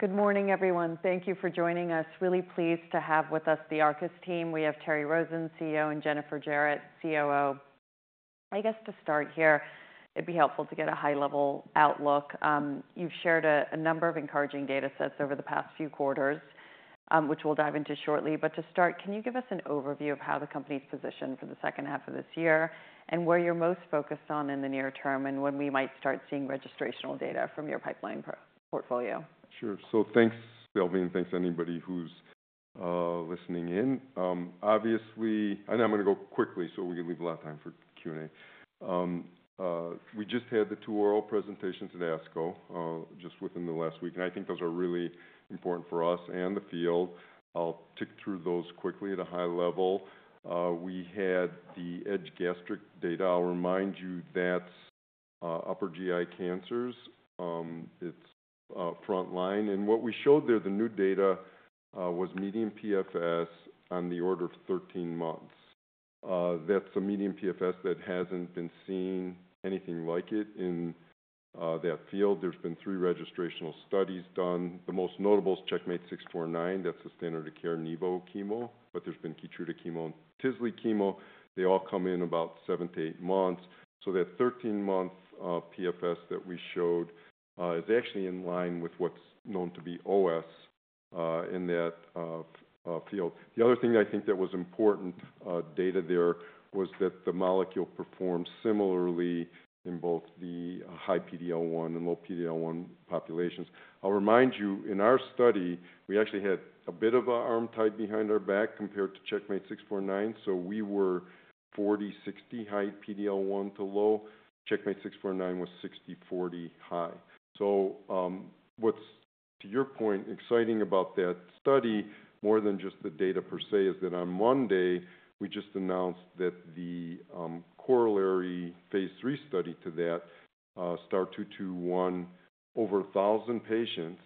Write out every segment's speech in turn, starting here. Good morning, everyone. Thank you for joining us. Really pleased to have with us the Arcus team. We have Terry Rosen, CEO, and Jennifer Jarrett, COO. I guess to start here, it'd be helpful to get a high-level outlook. You've shared a number of encouraging data sets over the past few quarters, which we'll dive into shortly. But to start, can you give us an overview of how the company's positioned for the second half of this year? And where you're most focused on in the near term, and when we might start seeing registrational data from your pipeline portfolio? Sure. So thanks, Shelby, and thanks anybody who's listening in. Obviously, I know I'm gonna go quickly, so we can leave a lot of time for Q&A. We just had the two oral presentations at ASCO just within the last week, and I think those are really important for us and the field. I'll tick through those quickly at a high level. We had the EDGE-Gastric data. I'll remind you that's upper GI cancers. It's frontline. And what we showed there, the new data, was median PFS on the order of 13 months. That's a median PFS that hasn't been seen anything like it in that field. There's been three registrational studies done. The most notable is CheckMate 649. That's the standard of care nivo chemo, but there's been Keytruda chemo and tislelizumab chemo. They all come in about 7 months-8 months. So that 13-month PFS that we showed is actually in line with what's known to be OS in that field. The other thing I think that was important data there was that the molecule performed similarly in both the high PD-L1 and low PD-L1 populations. I'll remind you, in our study, we actually had a bit of our arm tied behind our back compared to CheckMate 649, so we were 40, 60 high PD-L1 to low. CheckMate 649 was 60, 40 high. So, what's, to your point, exciting about that study, more than just the data per se, is that on Monday, we just announced that the corollary phase III study to that, STAR-221, over 1,000 patients,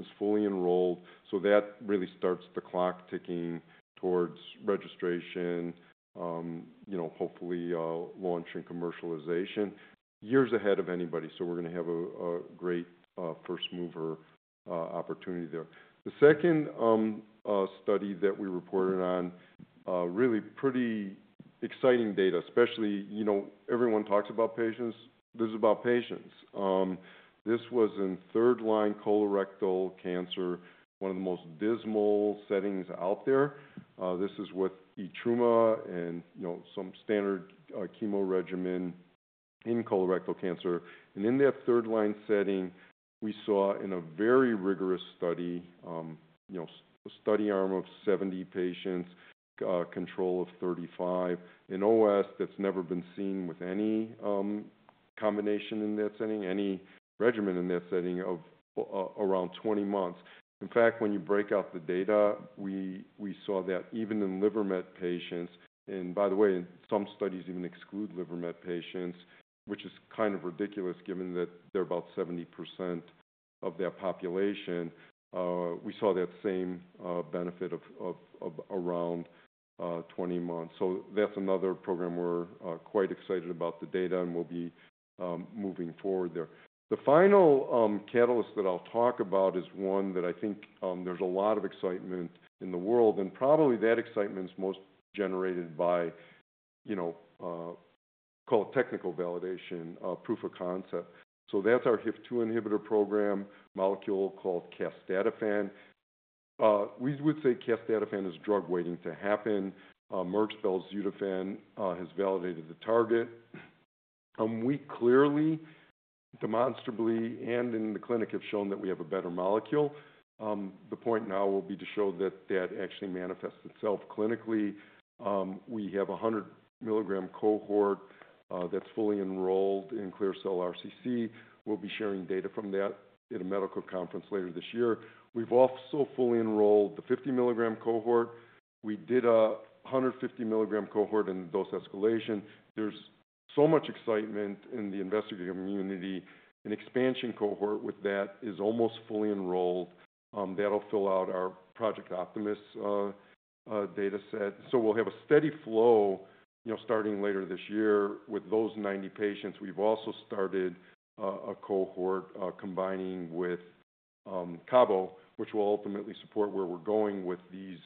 is fully enrolled. So that really starts the clock ticking towards registration, you know, hopefully, launch and commercialization, years ahead of anybody. So we're gonna have a great first mover opportunity there. The second study that we reported on really pretty exciting data, especially, you know, everyone talks about patients. This is about patients. This was in third line colorectal cancer, one of the most dismal settings out there. This is with etrumadenant and, you know, some standard chemo regimen in colorectal cancer. And in that third line setting, we saw in a very rigorous study, you know, a study arm of 70 patients, control of 35. In OS, that's never been seen with any combination in that setting, any regimen in that setting of around 20 months. In fact, when you break out the data, we saw that even in liver met patients, and by the way, some studies even exclude liver met patients, which is kind of ridiculous, given that they're about 70% of their population, we saw that same benefit of around 20 months. So that's another program we're quite excited about the data, and we'll be moving forward there. The final catalyst that I'll talk about is one that I think there's a lot of excitement in the world, and probably that excitement is most generated by, you know, call it technical validation proof of concept. So that's our HIF-2 inhibitor program, molecule called casdatifan. We would say casdatifan is drug waiting to happen. Merck's belzutifan has validated the target. We clearly, demonstrably, and in the clinic, have shown that we have a better molecule. The point now will be to show that that actually manifests itself clinically. We have a 100-milligram cohort that's fully enrolled in clear cell RCC. We'll be sharing data from that at a medical conference later this year. We've also fully enrolled the 50-milligram cohort. We did a 150-milligram cohort in dose escalation. There's so much excitement in the investigative community. An expansion cohort with that is almost fully enrolled. That'll fill out our Project Optimist dataset. So we'll have a steady flow, you know, starting later this year with those 90 patients. We've also started a cohort combining with Cabo, which will ultimately support where we're going with these,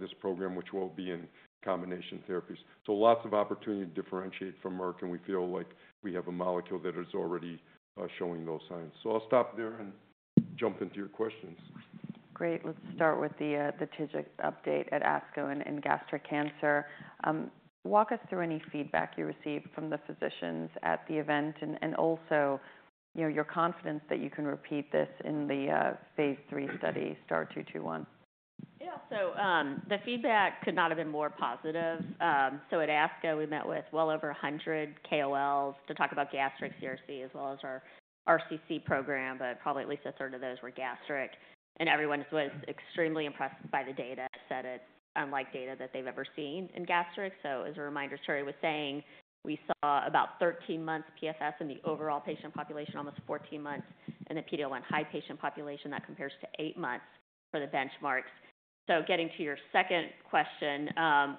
this program, which will be in combination therapies. So lots of opportunity to differentiate from Merck, and we feel like we have a molecule that is already showing those signs. So I'll stop there and jump into your questions. Great. Let's start with the TIGIT update at ASCO and gastric cancer. Walk us through any feedback you received from the physicians at the event, and also, you know, your confidence that you can repeat this in the phase III study, STAR-221. Yeah. So, the feedback could not have been more positive. So at ASCO, we met with well over 100 KOLs to talk about gastric CRC, as well as our RCC program, but probably at least a third of those were gastric. Everyone was extremely impressed by the data, said it's unlike data that they've ever seen in gastric. So as a reminder, Terry was saying we saw about 13 months PFS in the overall patient population, almost 14 months, in the PD-L1 high patient population. That compares to 8 months for the benchmarks. So getting to your second question,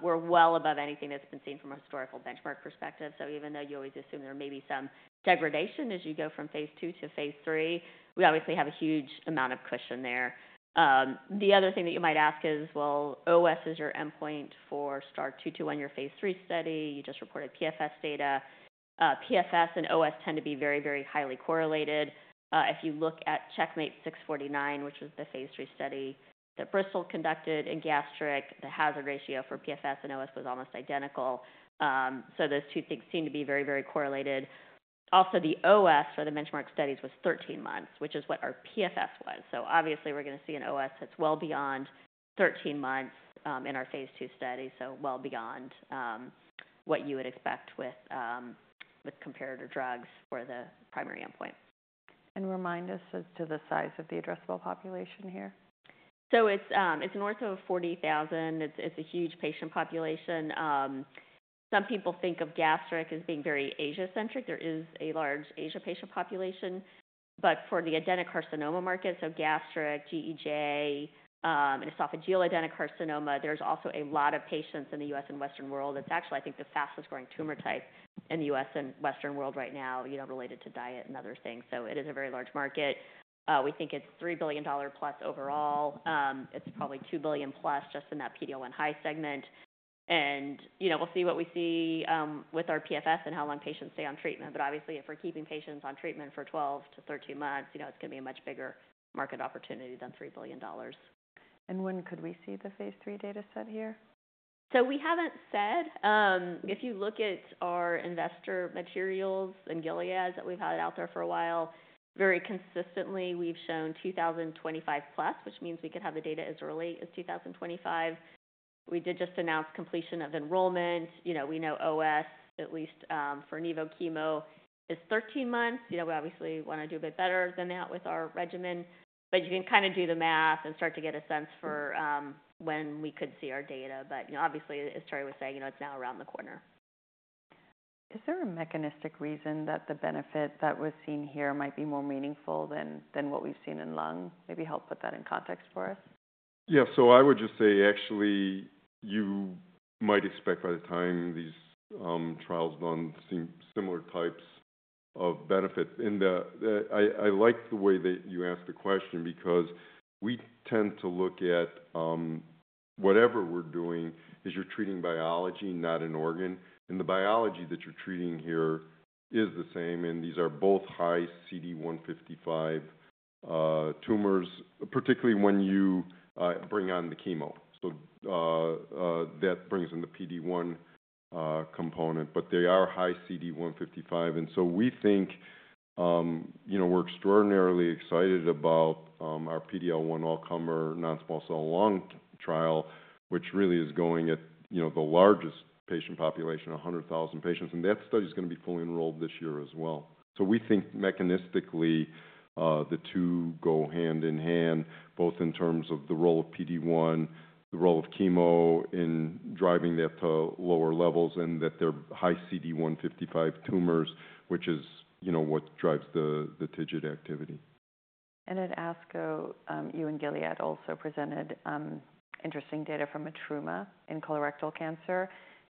we're well above anything that's been seen from a historical benchmark perspective. So even though you always assume there may be some degradation as you go from phase II to phase III, we obviously have a huge amount of cushion there. The other thing that you might ask is: Well, OS is your endpoint for STAR-221, your phase III study. You just reported PFS data. PFS and OS tend to be very, very highly correlated. If you look at CheckMate 649, which was the phase III study that Bristol conducted in gastric, the hazard ratio for PFS and OS was almost identical. So those two things seem to be very, very correlated. Also, the OS for the benchmark studies was 13 months, which is what our PFS was. So obviously, we're going to see an OS that's well beyond 13 months, in our phase II study, so well beyond, what you would expect with, with comparator drugs for the primary endpoint. Remind us as to the size of the addressable population here. So it's north of 40,000. It's a huge patient population. Some people think of gastric as being very Asia-centric. There is a large Asia patient population, but for the adenocarcinoma markets, so gastric, GEJ, esophageal adenocarcinoma, there's also a lot of patients in the U.S. and Western world. It's actually, I think, the fastest-growing tumor type in the U.S. and Western world right now, you know, related to diet and other things. So it is a very large market. We think it's $3 billion plus overall. It's probably $2 billion plus just in that PD-L1 high segment. And, you know, we'll see what we see with our PFS and how long patients stay on treatment. But obviously, if we're keeping patients on treatment for 12 months-13 months, you know, it's going to be a much bigger market opportunity than $3 billion. When could we see the phase III data set here? So we haven't said. If you look at our investor materials and Gilead's, that we've had it out there for a while, very consistently, we've shown 2025 plus, which means we could have the data as early as 2025. We did just announce completion of enrollment. You know, we know OS, at least, for nivo chemo, is 13 months. You know, we obviously want to do a bit better than that with our regimen, but you can kind of do the math and start to get a sense for, when we could see our data. But, you know, obviously, as Terry was saying, you know, it's now around the corner. Is there a mechanistic reason that the benefit that was seen here might be more meaningful than, than what we've seen in lung? Maybe help put that in context for us. Yeah. So I would just say, actually, you might expect by the time these trials run, seem similar types of benefit. And I like the way that you asked the question because we tend to look at whatever we're doing, is you're treating biology, not an organ. And the biology that you're treating here is the same, and these are both high CD155 tumors, particularly when you bring on the chemo. So that brings in the PD-1 component, but they are high CD155. And so we think, you know, we're extraordinarily excited about our PD-L1 all-comer non-small cell lung trial, which really is going at, you know, the largest patient population, 100,000 patients, and that study is going to be fully enrolled this year as well. So we think mechanistically, the two go hand in hand, both in terms of the role of PD-1, the role of chemo in driving that to lower levels, and that they're high CD155 tumors, which is, you know, what drives the, the TIGIT activity. At ASCO, you and Gilead also presented interesting data from etrumadenant in colorectal cancer.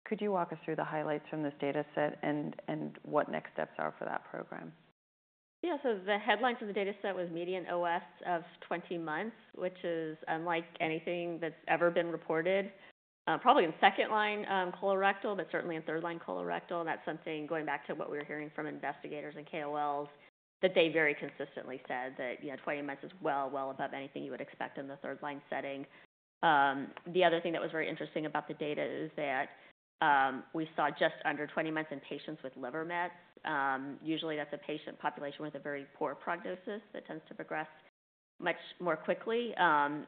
Could you walk us through the highlights from this data set and what next steps are for that program? Yeah. So the headline for the data set was median OS of 20 months, which is unlike anything that's ever been reported, probably in second-line colorectal, but certainly in third-line colorectal. And that's something, going back to what we were hearing from investigators and KOLs, that they very consistently said that, you know, 20 months is well, well above anything you would expect in the third-line setting. The other thing that was very interesting about the data is that we saw just under 20 months in patients with liver mets. Usually, that's a patient population with a very poor prognosis that tends to progress much more quickly.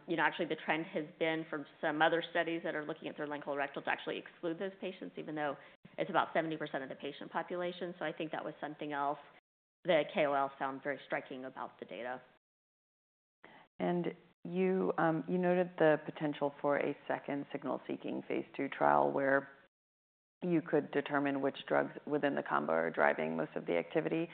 You know, actually, the trend has been from some other studies that are looking at third-line colorectal to actually exclude those patients, even though it's about 70% of the patient population. I think that was something else that KOL found very striking about the data. You, you noted the potential for a second signal-seeking Phase II trial, where you could determine which drugs within the combo are driving most of the activity.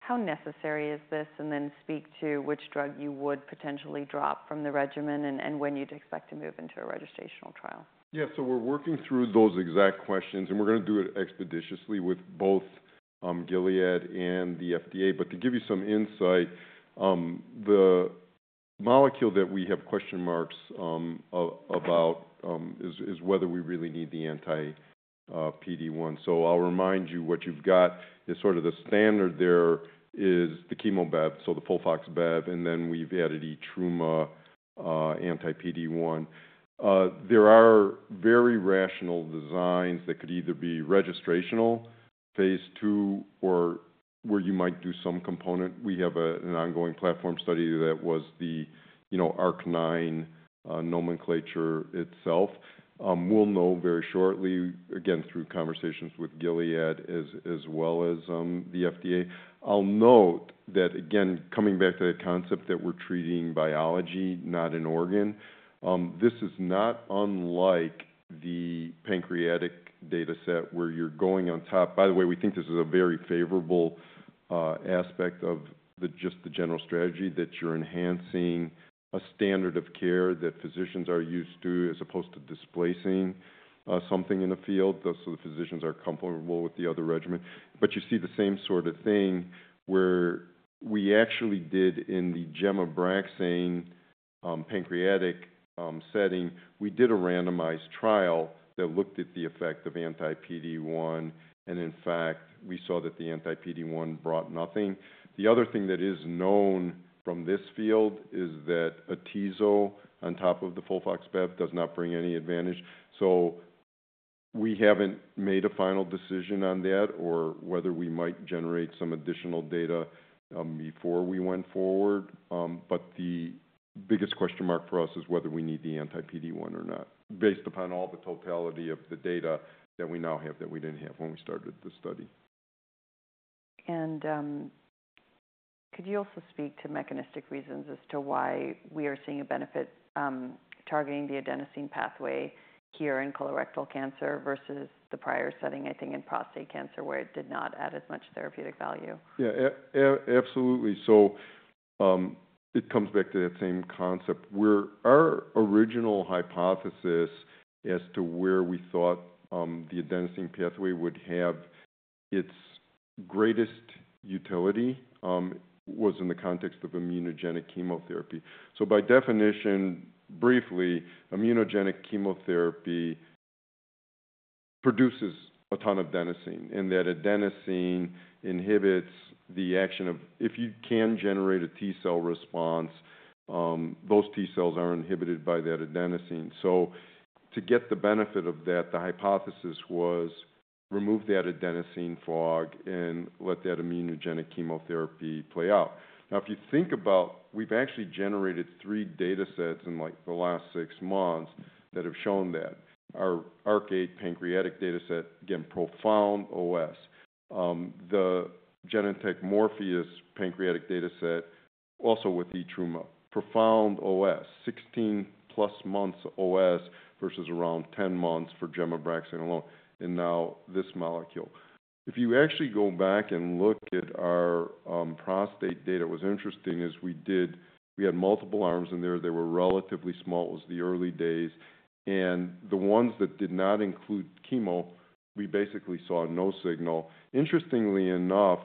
How necessary is this? And then speak to which drug you would potentially drop from the regimen and when you'd expect to move into a registrational trial. Yeah, so we're working through those exact questions, and we're going to do it expeditiously with both Gilead and the FDA. But to give you some insight, the molecule that we have question marks about is whether we really need the anti PD-1. So I'll remind you, what you've got is sort of the standard there is the chemo bev, so the FOLFOX-Bev, and then we've added etrumadenant anti-PD-1. There are very rational designs that could either be registrational, phase II, or where you might do some component. We have an ongoing platform study that was the, you know, ARC-9 nomenclature itself. We'll know very shortly, again, through conversations with Gilead as well as the FDA. I'll note that, again, coming back to that concept that we're treating biology, not an organ, this is not unlike the pancreatic data set where you're going on top. By the way, we think this is a very favorable aspect of just the general strategy, that you're enhancing a standard of care that physicians are used to, as opposed to displacing something in the field. Those are the physicians are comfortable with the other regimen. But you see the same sort of thing where we actually did in the Gem-Abraxane pancreatic setting. We did a randomized trial that looked at the effect of anti-PD-1, and in fact, we saw that the anti-PD-1 brought nothing. The other thing that is known from this field is that Atezo, on top of the FOLFOX-Bev, does not bring any advantage. So we haven't made a final decision on that, or whether we might generate some additional data, before we went forward. But the biggest question mark for us is whether we need the anti-PD-1 or not, based upon all the totality of the data that we now have that we didn't have when we started this study. Could you also speak to mechanistic reasons as to why we are seeing a benefit, targeting the adenosine pathway here in colorectal cancer versus the prior setting, I think in prostate cancer, where it did not add as much therapeutic value? Yeah, absolutely. So, it comes back to that same concept, where our original hypothesis as to where we thought the adenosine pathway would have its greatest utility was in the context of immunogenic chemotherapy. So by definition, briefly, immunogenic chemotherapy produces a ton of adenosine, and that adenosine inhibits the action of, if you can generate a T cell response, those T cells are inhibited by that adenosine. So to get the benefit of that, the hypothesis was remove that adenosine fog and let that immunogenic chemotherapy play out. Now, if you think about, we've actually generated 3 data sets in, like, the last 6 months that have shown that. Our ARCADE pancreatic data set, again, profound OS. The Genentech Morpheus-Pancreatic data set, also with the Keytruda, profound OS, 16+ months OS versus around 10 months for gem/abraxane alone, and now this molecule. If you actually go back and look at our prostate data, what's interesting is we had multiple arms in there. They were relatively small. It was the early days, and the ones that did not include chemo, we basically saw no signal. Interestingly enough,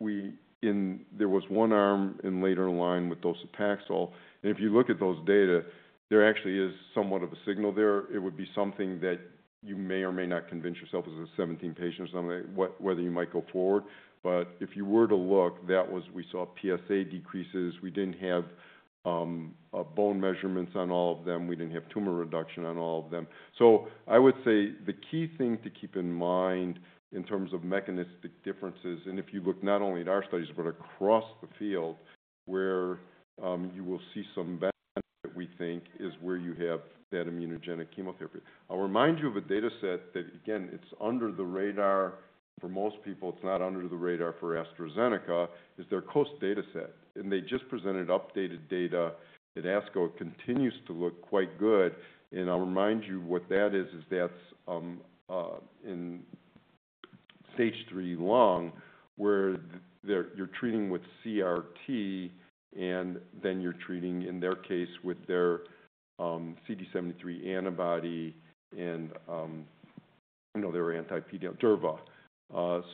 there was one arm in later line with docetaxel, and if you look at those data, there actually is somewhat of a signal there. It would be something that you may or may not convince yourself, as a 17-patient or something, whether you might go forward. But if you were to look, that was we saw PSA decreases. We didn't have bone measurements on all of them. We didn't have tumor reduction on all of them. So I would say the key thing to keep in mind in terms of mechanistic differences, and if you look not only at our studies, but across the field, where you will see some benefit, we think, is where you have that immunogenic chemotherapy. I'll remind you of a data set that, again, it's under the radar for most people, it's not under the radar for AstraZeneca, is their COAST data set. And they just presented updated data that ASCO continues to look quite good. And I'll remind you what that is, is that's in stage three lung, where you're treating with CRT and then you're treating, in their case, with their CD73 antibody and I know they were anti-PD-L1 durva.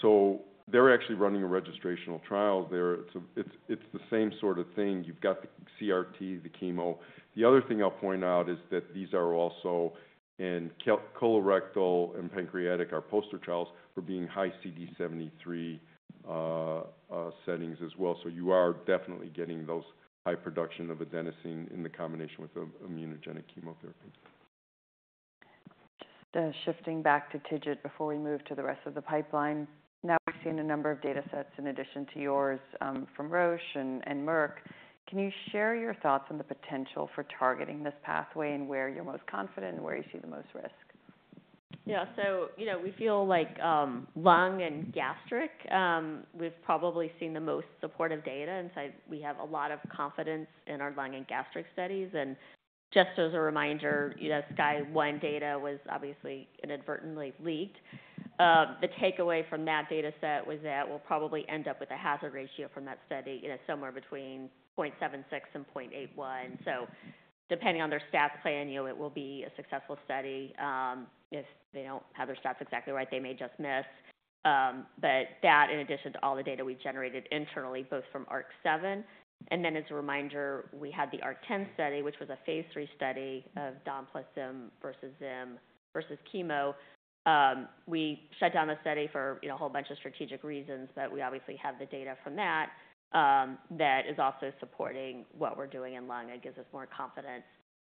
So they're actually running a registrational trial there. It's the same sort of thing. You've got the CRT, the chemo. The other thing I'll point out is that these are also in colorectal and pancreatic. Our poster trials were in high CD73 settings as well. So you are definitely getting those high production of adenosine in the combination with immunogenic chemotherapy. Just, shifting back to TIGIT before we move to the rest of the pipeline. Now, we've seen a number of data sets in addition to yours, from Roche and Merck. Can you share your thoughts on the potential for targeting this pathway and where you're most confident and where you see the most risk? Yeah. So you know, we feel like, lung and gastric, we've probably seen the most supportive data, and so we have a lot of confidence in our lung and gastric studies. And just as a reminder, you know, Sky One data was obviously inadvertently leaked. The takeaway from that data set was that we'll probably end up with a hazard ratio from that study, you know, somewhere between 0.76 and 0.81. So depending on their stat plan, you know, it will be a successful study. If they don't have their stats exactly right, they may just miss. But that in addition to all the data we generated internally, both from ARC-7 and then as a reminder, we had the ARC-10 study, which was a phase III study of dom plus zim versus zim versus chemo. We shut down the study for, you know, a whole bunch of strategic reasons, but we obviously have the data from that that is also supporting what we're doing in lung and gives us more confidence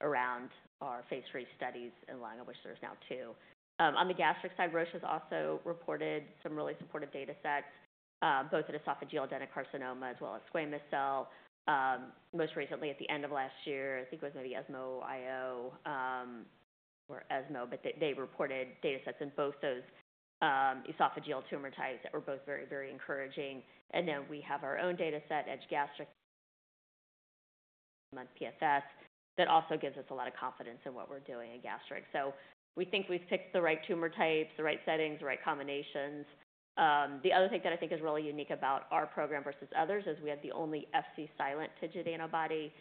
around our phase II studies in lung, of which there's now II. On the gastric side, Roche has also reported some really supportive data sets both at esophageal adenocarcinoma as well as squamous cell. Most recently, at the end of last year, I think it was maybe ESMO IO or ESMO, but they reported data sets in both those esophageal tumor types that were both very, very encouraging. And then we have our own data set, EDGE-Gastric month PFS. That also gives us a lot of confidence in what we're doing in gastric. So we think we've picked the right tumor types, the right settings, the right combinations. The other thing that I think is really unique about our program versus others is we have the only Fc-silent TIGIT antibody.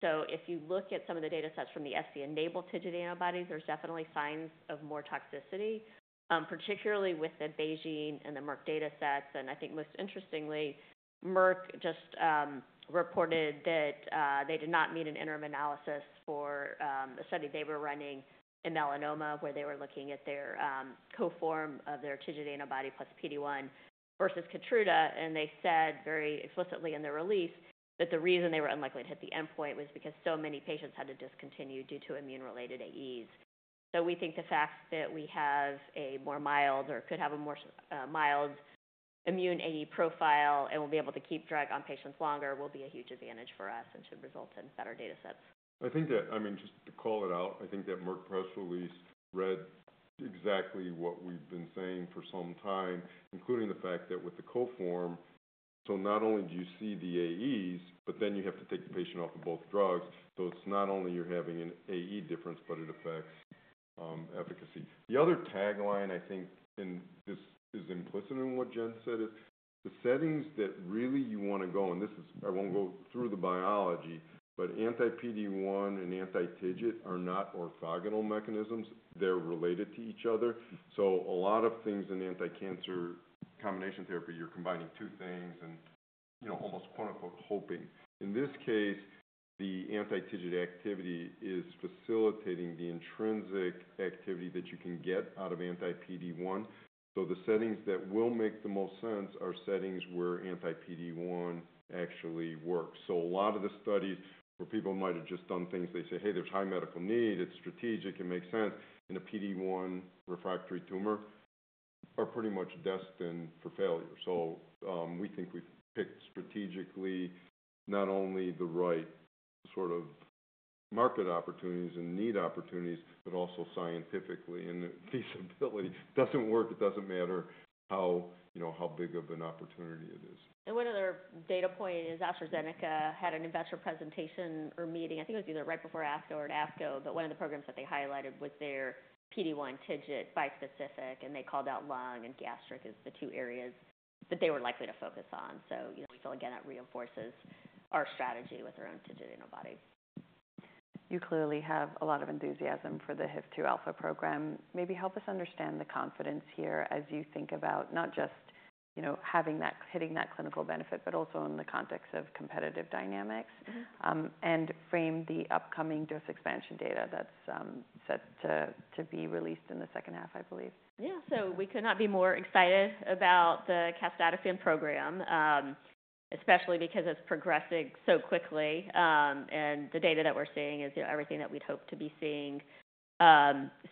So if you look at some of the data sets from the Fc-enabled TIGIT antibodies, there's definitely signs of more toxicity, particularly with the BeiGene and the Merck data sets. I think most interestingly, Merck just reported that they did not meet an interim analysis for a study they were running in melanoma, where they were looking at their coform of their TIGIT antibody plus PD-1 versus Keytruda. They said very explicitly in their release that the reason they were unlikely to hit the endpoint was because so many patients had to discontinue due to immune-related AEs. We think the fact that we have a more mild or could have a more mild immune AE profile and we'll be able to keep drug on patients longer, will be a huge advantage for us and should result in better data sets. I think that, I mean, just to call it out, I think that Merck press release read exactly what we've been saying for some time, including the fact that with the coform, so not only do you see the AEs, but then you have to take the patient off of both drugs. So it's not only you're having an AE difference, but it affects efficacy. The other tagline, I think, and this is implicit in what Jen said, is the settings that really you want to go, and this is. I won't go through the biology, but anti-PD-1 and anti-TIGIT are not orthogonal mechanisms. They're related to each other. So a lot of things in anticancer combination therapy, you're combining two things and, you know, almost quote, unquote, "hoping." In this case, the anti-TIGIT activity is facilitating the intrinsic activity that you can get out of anti-PD-1. So the settings that will make the most sense are settings where anti-PD-1 actually works. So a lot of the studies where people might have just done things, they say, "Hey, there's high medical need, it's strategic, it makes sense in a PD-1 refractory tumor," are pretty much destined for failure. So, we think we've picked strategically not only the right sort of market opportunities and need opportunities, but also scientifically and feasibility. It doesn't work, it doesn't matter how, you know, how big of an opportunity it is. One other data point is AstraZeneca had an investor presentation or meeting, I think it was either right before ASCO or at ASCO, but one of the programs that they highlighted was their PD-1 TIGIT bispecific, and they called out lung and gastric as the two areas that they were likely to focus on. So, you know, still again, it reinforces our strategy with our own TIGIT antibody. You clearly have a lot of enthusiasm for the HIF-2 alpha program. Maybe help us understand the confidence here as you think about not just, you know, having that—hitting that clinical benefit, but also in the context of competitive dynamics. Mm-hmm. Frame the upcoming dose expansion data that's set to be released in the second half, I believe. Yeah. So we could not be more excited about the casdatifan program, especially because it's progressing so quickly, and the data that we're seeing is everything that we'd hope to be seeing.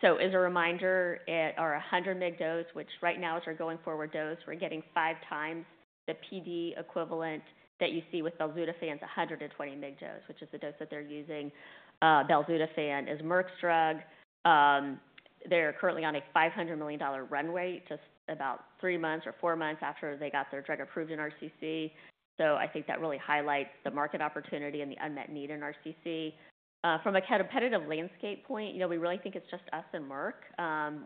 So as a reminder, at our 100 mg dose, which right now is our going forward dose, we're getting 5x the PD equivalent that you see with belzutifan's 120 mg dose, which is the dose that they're using. Belzutifan is Merck's drug. They're currently on a $500 million runway, just about 3 months or 4 months after they got their drug approved in RCC. So I think that really highlights the market opportunity and the unmet need in RCC. From a competitive landscape point, you know, we really think it's just us and Merck.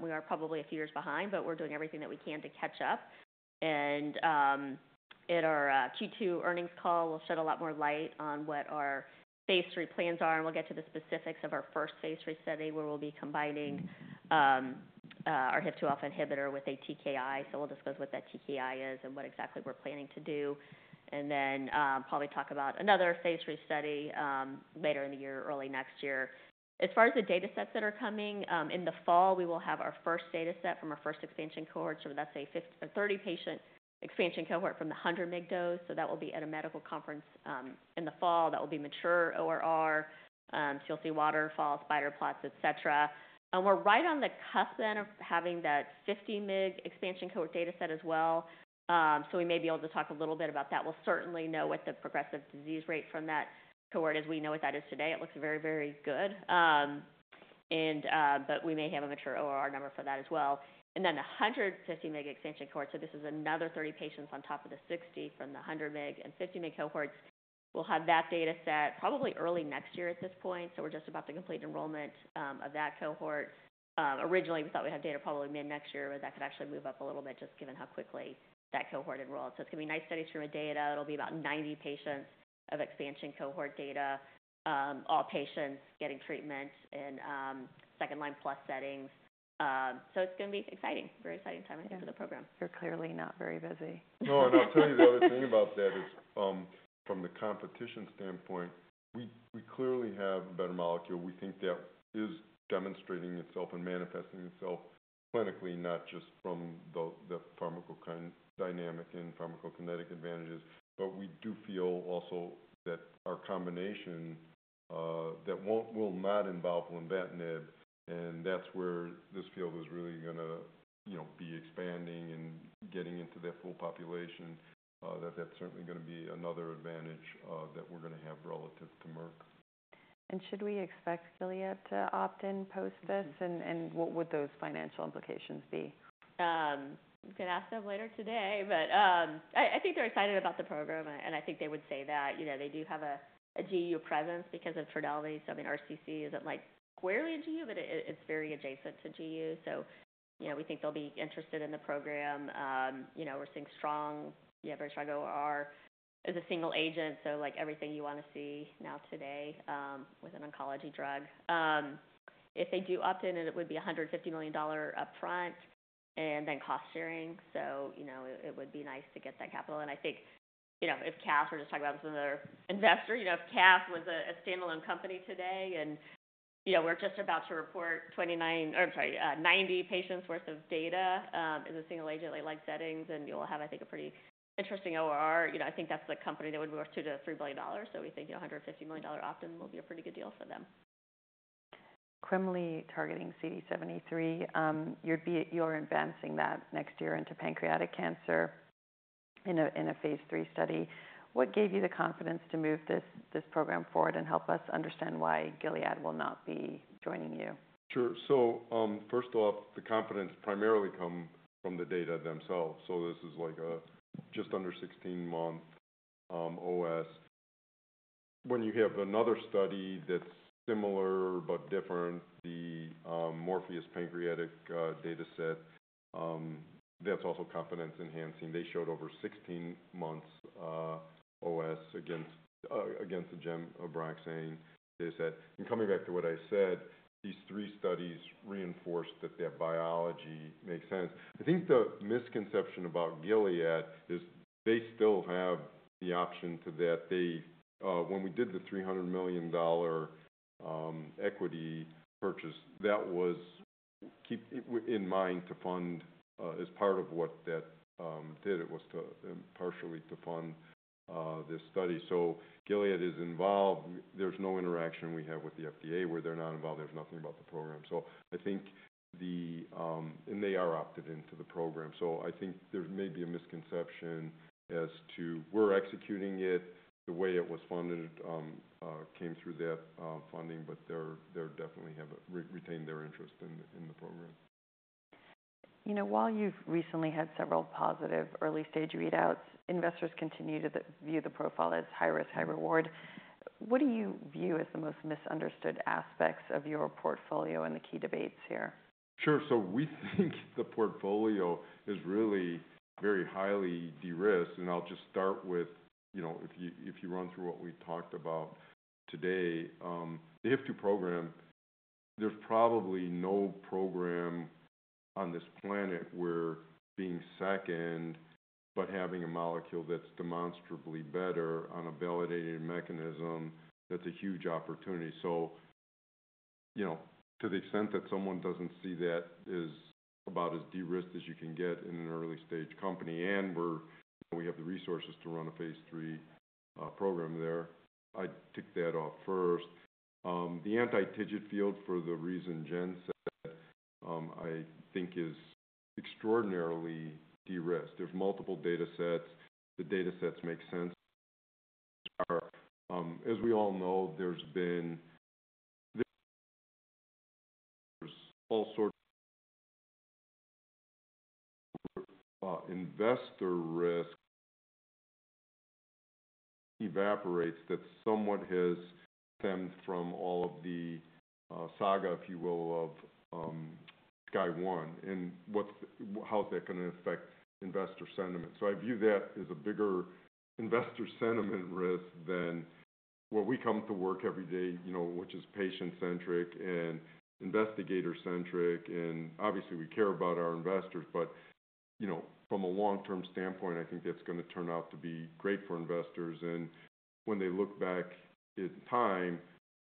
We are probably a few years behind, but we're doing everything that we can to catch up. At our Q2 earnings call, we'll shed a lot more light on what our phase III plans are, and we'll get to the specifics of our first phase III study, where we'll be combining our HIF-2 alpha inhibitor with a TKI. So we'll discuss what that TKI is and what exactly we're planning to do, and then probably talk about another phase III study later in the year, early next year. As far as the data sets that are coming in the fall, we will have our first data set from our first expansion cohort. So that's a 50-- a 30-patient expansion cohort from the 100 mg dose. So that will be at a medical conference in the fall. That will be mature ORR. So you'll see waterfall, spider plots, et cetera. And we're right on the cusp, then, of having that 50 mg expansion cohort data set as well. So we may be able to talk a little bit about that. We'll certainly know what the progressive disease rate from that cohort is. We know what that is today. It looks very, very good. And, but we may have a mature ORR number for that as well. And then the 150 mg expansion cohort, so this is another 30 patients on top of the 60 from the 100 mg and 50 mg cohorts. We'll have that data set probably early next year at this point, so we're just about to complete enrollment of that cohort. Originally, we thought we'd have data probably mid-next year, but that could actually move up a little bit just given how quickly that cohort enrolled. So it's going to be nice studies from a data. It'll be about 90 patients of expansion cohort data, all patients getting treatment in, second-line plus settings. So it's going to be exciting, very exciting time for the program. You're clearly not very busy. No, and I'll tell you the other thing about that is, from the competition standpoint, we clearly have a better molecule. We think that is demonstrating itself and manifesting itself clinically, not just from the pharmacodynamic and pharmacokinetic advantages. But we do feel also that our combination that will not involve lenvatinib, and that's where this field is really gonna, you know, be expanding and getting into that full population, that's certainly gonna be another advantage that we're gonna have relative to Merck. And should we expect Gilead to opt-in post this? And what would those financial implications be? I'm gonna ask them later today, but, I, I think they're excited about the program, and I think they would say that, you know, they do have a, a GU presence because of Trodelvy. So I mean, RCC isn't like squarely GU, but it, it's very adjacent to GU. So, you know, we think they'll be interested in the program. You know, we're seeing strong, yeah, very strong OR as a single agent. So like everything you want to see now today, with an oncology drug. If they do opt in, and it would be a $150 million upfront and then cost sharing. So, you know, it would be nice to get that capital. I think, you know, if Arcus, we're just talking about another investor, you know, if Arcus was a standalone company today and, you know, we're just about to report 29, or sorry, 90 patients worth of data, in the single agent-like settings, and you'll have, I think, a pretty interesting OR. You know, I think that's the company that would be worth $3 billion. So we think a $150 million opt-in will be a pretty good deal for them. Currently targeting CD73, you're advancing that next year into pancreatic cancer in a phase III study. What gave you the confidence to move this program forward, and help us understand why Gilead will not be joining you? Sure. So, first off, the confidence primarily come from the data themselves. So this is like just under 16-month OS. When you have another study that's similar but different, the Morpheus-Pancreatic data set, that's also confidence-enhancing. They showed over 16 months OS against the Gem-Abraxane data set. And coming back to what I said, these three studies reinforce that their biology makes sense. I think the misconception about Gilead is they still have the option to that. They—When we did the $300 million equity purchase, that was keep in mind to fund, as part of what that did. It was to partially fund this study. So Gilead is involved. There's no interaction we have with the FDA, where they're not involved. There's nothing about the program. I think they are opted into the program. So I think there may be a misconception as to we're executing it, the way it was funded came through that funding, but they're definitely have retained their interest in the program. You know, while you've recently had several positive early-stage readouts, investors continue to view the profile as high risk, high reward. What do you view as the most misunderstood aspects of your portfolio and the key debates here? Sure. So we think the portfolio is really very highly de-risked, and I'll just start with, you know, if you, if you run through what we talked about today. The HIF-2 program, there's probably no program on this planet where being second, but having a molecule that's demonstrably better on a validated mechanism, that's a huge opportunity. So, you know, to the extent that someone doesn't see that is about as de-risked as you can get in an early-stage company, and we have the resources to run a phase III program there. I'd tick that off first. The anti-TIGIT field, for the reason Jen said, I think is extraordinarily de-risked. There's multiple data sets. The data sets make sense. As we all know, there's been—There's all sorts of investor risk evaporates that somewhat has stemmed from all of the saga, if you will, of SKYSCRAPER-01 and how's that gonna affect investor sentiment. So I view that as a bigger investor sentiment risk than what we come to work every day, you know, which is patient-centric and investigator-centric, and obviously, we care about our investors. But, you know, from a long-term standpoint, I think that's gonna turn out to be great for investors. And when they look back at the time,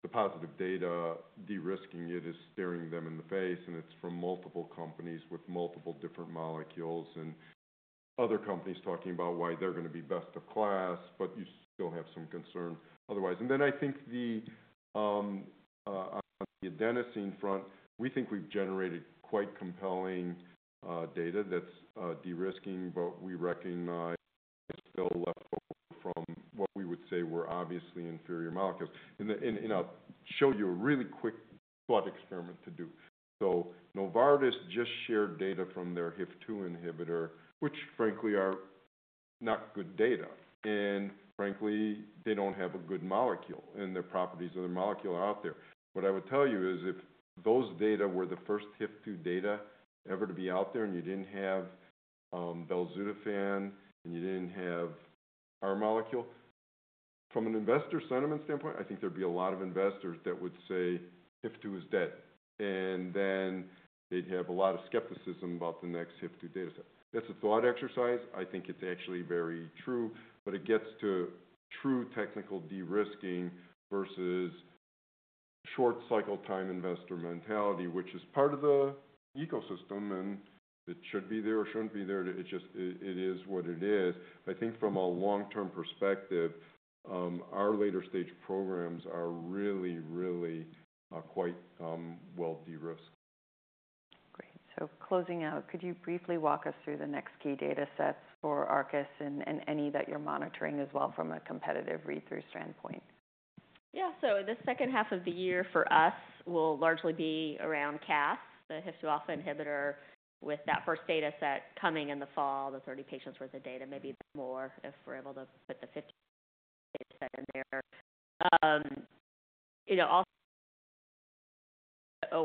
the positive data, de-risking it, is staring them in the face, and it's from multiple companies with multiple different molecules and other companies talking about why they're gonna be best of class, but you still have some concern otherwise. And then I think the adenosine front, we think we've generated quite compelling data that's de-risking, but we recognize it's still left over from what we would say were obviously inferior molecules. And I'll show you a really quick thought experiment to do. So Novartis just shared data from their HIF-2 inhibitor, which frankly are not good data. And frankly, they don't have a good molecule, and their properties of the molecule are out there. What I would tell you is if those data were the first HIF-2 data ever to be out there, and you didn't have Belzutifan, and you didn't have our molecule, from an investor sentiment standpoint, I think there'd be a lot of investors that would say HIF-2 is dead. And then they'd have a lot of skepticism about the next HIF-2 data set. That's a thought exercise. I think it's actually very true, but it gets to true technical de-risking versus short cycle time investor mentality, which is part of the ecosystem, and it should be there or shouldn't be there. It just, iIt is what it is. I think from a long-term perspective, our later stage programs are really, really, quite, well de-risked. Great. So closing out, could you briefly walk us through the next key data sets for Arcus and any that you're monitoring as well from a competitive read-through standpoint? Yeah. So the second half of the year for us will largely be around casdatifan, the HIF-2 alpha inhibitor, with that first data set coming in the fall, the 30 patients worth of data, maybe a bit more, if we're able to put the 50 data set in there. You know, also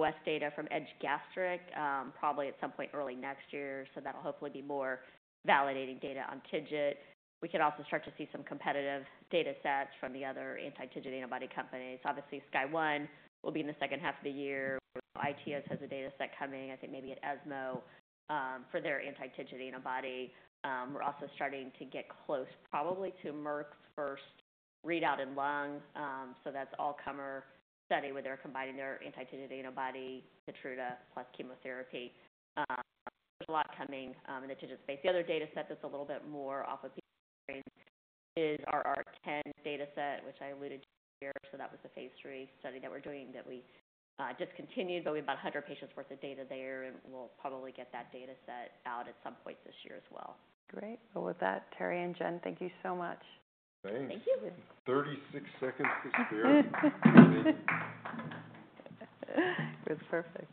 OS data from EDGE-Gastric, probably at some point early next year, so that'll hopefully be more validating data on TIGIT. We could also start to see some competitive data sets from the other anti-TIGIT antibody companies. Obviously, SKYSCRAPER-01 will be in the second half of the year. iTeos has a data set coming, I think, maybe at ESMO, for their anti-TIGIT antibody. We're also starting to get close, probably to Merck's first readout in lung. So that's all comer study, where they're combining their anti-TIGIT antibody, Keytruda, plus chemotherapy. There's a lot coming in the TIGIT space. The other data set that's a little bit more off of the is our ARC-10 data set, which I alluded to here. So that was the phase III study that we're doing that we discontinued, but we have about 100 patients worth of data there, and we'll probably get that data set out at some point this year as well. Great. So with that, Terry and Jen, thank you so much. Thanks. Thank you. 36 seconds to spare. It was perfect.